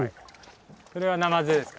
これはナマズですか？